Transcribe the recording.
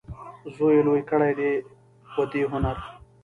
زوی یې لوی کړی دی په دې هنر.